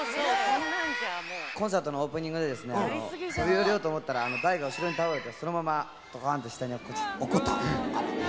コンサートのオープニングでですね、飛び降りようと思ったら、台が後ろに倒れて、そのままどかんと下に落っこちて。